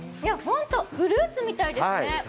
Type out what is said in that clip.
本当、フルーツみたいですね！